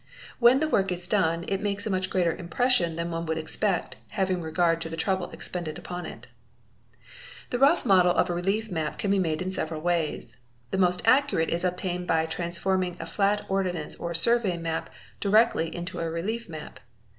When the work is done, it makes a much greater impression than one would expect, having regard to the trouble expended upon it. | in The rough model of a relief map can be vandesd in several ways. The . most accurate is obtained by transforming a flat ordnance or survey map directly into a relief map.